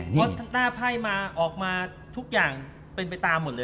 เพราะหน้าไพ่มาออกมาทุกอย่างเป็นไปตามหมดเลย